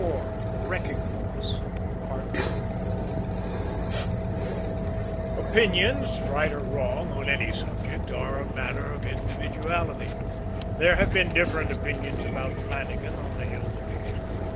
IV THE WRECKING BOSS Opinions, right or wrong, on any subject are a matter of individuality there have been different opinions about Flannagan on the Hill Division.